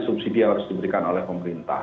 subsidi yang harus diberikan oleh pemerintah